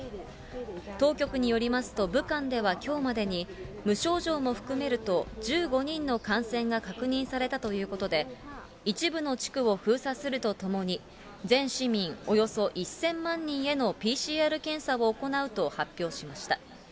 当局によりますと、武漢ではきょうまでに無症状も含めると１５人の感染が確認されたということで、一部の地区を封鎖するとともに、全市民およそ１０００万人へのＰＣＲ検査を行うと発表しました。